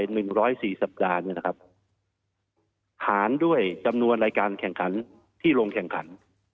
เป็น๑๐๔สัปดาห์ผ่านด้วยจำนวนรายการแข่งขันที่ลงแข่งขัน